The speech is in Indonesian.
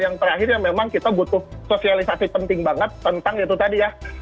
yang terakhir memang kita butuh sosialisasi penting banget tentang itu tadi ya